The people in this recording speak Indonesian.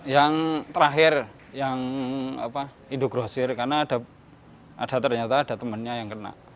yang terakhir yang indogrosir karena ada ternyata ada temannya yang kena